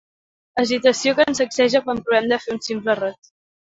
Agitació que ens sacseja quan provem de fer un simple rot.